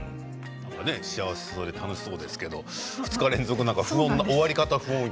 幸せそうで楽しそうですけど２日連続なんか、終わり方が不穏で。